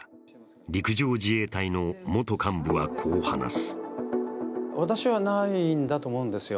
陸上自衛隊の元幹部は、こう話す。